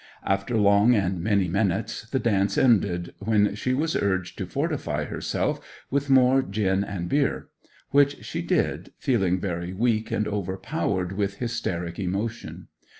After long and many minutes the dance ended, when she was urged to fortify herself with more gin and beer; which she did, feeling very weak and overpowered with hysteric emotion.